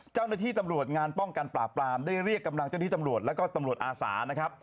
เจ้าหน้าที่ตำรวจงานป้องกันปราบปรามได้เรียกกำลังเจ้าหน้าที่ตำรวจแล้วก็ตำรวจอาสานะครับ